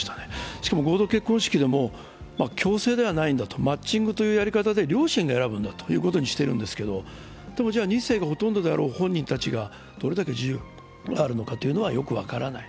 しかも合同結婚式でも、強制ではないんだ、マッチングというやり方で両親が選ぶんだということにしているんですが二世がほとんどであろう本人たちがどれだけ自由があるのかというのがよく分からない。